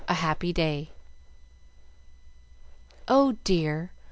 A Happy Day "Oh dear!